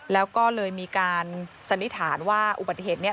แล้วก็เลยมีการสันนิษฐานว่าอุบัติเหตุนี้